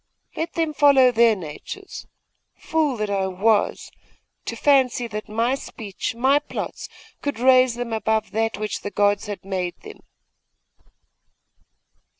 Let them follow their natures! Fool that I was, to fancy that my speech, my plots, could raise them above that which the gods had made them!